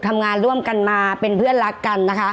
ทำงานร่วมกันมาเป็นเพื่อนรักกันนะคะ